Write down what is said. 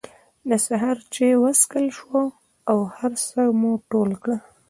د سهار چای وڅکل شو او هر څه مو ټول کړل.